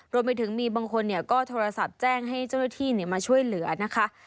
รวมไปถึงมีบางคนก็โทรศัพท์แจ้งให้เจ้าหน้าที่มาช่วยเหลือนะคะ